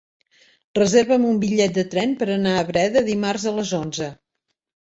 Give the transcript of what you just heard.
Reserva'm un bitllet de tren per anar a Breda dimarts a les onze.